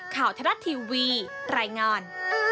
ข่าวทรัฐทีวีรายงาน